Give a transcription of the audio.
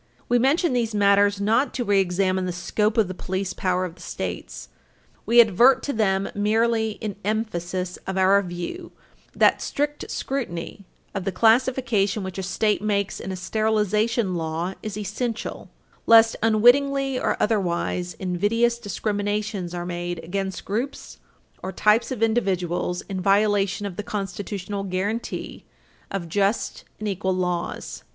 We mention these matters not to reexamine the scope of the police power of the States. We advert to them merely in emphasis of our view that strict scrutiny of the classification which a State makes in a sterilization law is essential, lest unwittingly, or otherwise, invidious discriminations are made against groups or types of individuals in violation of the constitutional guaranty of just and equal laws.